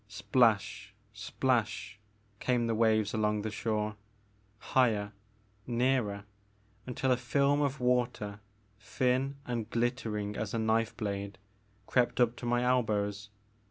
Splash, splash, came the waves along the shore, higher, nearer, until a film of water, thin and glittering as a knife blade, crept up to my elbows.